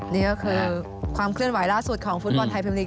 นี่ก็คือความเคลื่อนไหวล่าสุดของฟุตบอลไทยพิมลิก